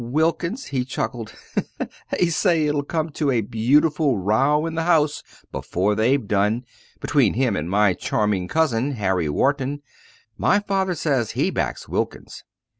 Wilkins" he chuckled "they say it'll come to a beautiful row in the House before they've done, between him and my charming cousin, Harry Wharton. My father says he backs Wilkins."